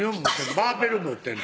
バーベル持ってんの？